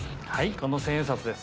この千円札です。